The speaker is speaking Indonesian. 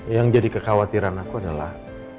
yang jadi kekhawatiran aku adalah